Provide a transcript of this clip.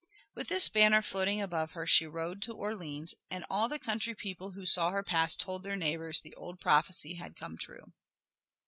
With this banner floating above her she rode to Orleans, and all the country people who saw her pass told their neighbors the old prophecy had come true.